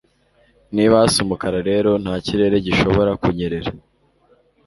Niba hasa Umukara rero nta kirere gishobora kunyerera.